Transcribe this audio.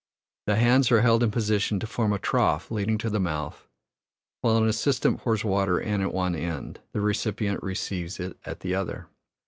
The hands are held in position to form a trough leading to the mouth; while an assistant pours water in at one end, the recipient receives it at the other.